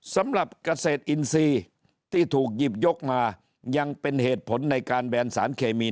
สำหรับเกษตรอินทรีย์ที่ถูกหยิบยกมายังเป็นเหตุผลในการแบนสารเคมี